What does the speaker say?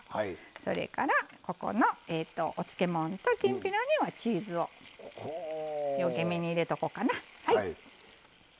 それから、ここのお漬もんときんぴらにはチーズをようけめに入れておこうかな。